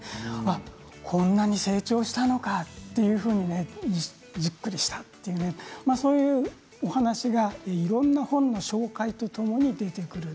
こんなに成長したのかというふうにびっくりしたというそういうお話がいろんな本の紹介とともに出てくる。